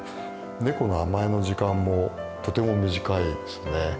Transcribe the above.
ネコの甘えの時間もとても短いですね。